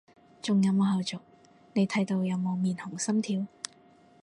仲有冇後續，你睇到有冇面紅心跳？